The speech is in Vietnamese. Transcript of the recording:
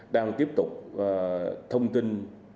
đang tiếp tục thông tin